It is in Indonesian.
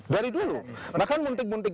dari dulu maka munting munting